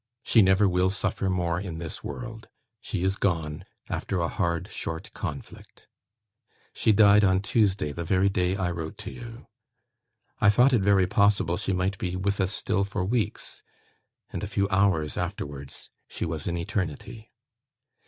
She never will suffer more in this world. She is gone, after a hard short conflict. She died on TUESDAY, the very day I wrote to you. I thought it very possible she might be with us still for weeks; and a few hours afterwards, she was in eternity.